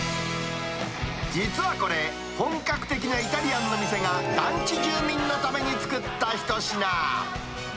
実はこれ、本格的なイタリアンの店が、団地住民のために作った一品。